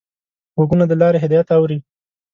غوږونه د لارې هدایت اوري